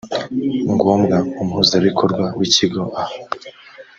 ngombwa umuhuzabikorwa w ikigo aha